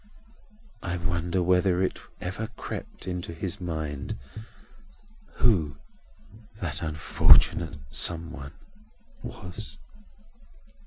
I wonder whether it ever crept into his mind who that unfortunate some one was!"